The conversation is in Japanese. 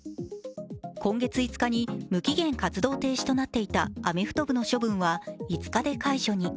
今月５日に無期限活動停止となっていたアメフト部の処分は５日で解除に。